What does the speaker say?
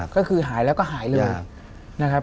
ก็คือหายแล้วก็หายเลย